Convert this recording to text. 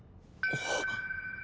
あっ。